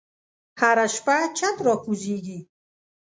هره شپه چت راکوزیږې